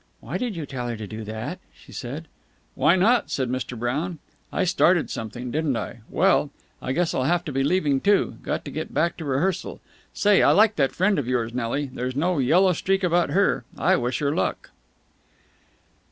"Why did you tell her to do that?" she said. "Why not?" said Mr. Brown. "I started something, didn't I? Well, I guess I'll have to be leaving, too. Got to get back to rehearsal. Say, I like that friend of yours, Nelly. There's no yellow streak about her! I wish her luck!"